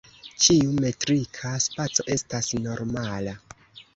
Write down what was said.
Ĉiu metrika spaco estas normala.